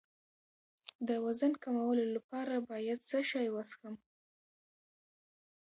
د وزن کمولو لپاره باید څه شی وڅښم؟